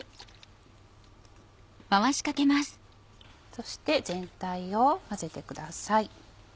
そして全体を混ぜてください。